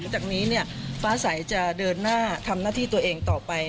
จากนี้ฟ้าใสจะเดินหน้าทำหน้าที่ตัวเองต่อไป